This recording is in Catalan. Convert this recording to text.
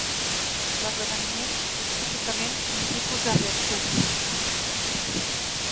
L'"esdeveniment" és típicament un tipus de reacció química.